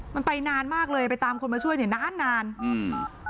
มันไปนานมากเลยไปตามคนมาช่วยเนี่ยนานนานอืม